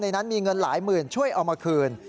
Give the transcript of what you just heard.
นั้นมีเงินหลายหมื่นช่วยเอามาคืน